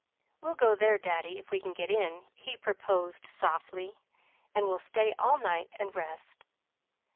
"We'll go there, daddy, if we can get in," he proposed softly. "And we'll stay all night and rest."